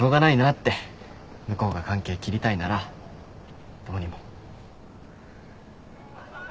向こうが関係切りたいならどうにも。